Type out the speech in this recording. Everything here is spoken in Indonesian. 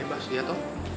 bebas liat oh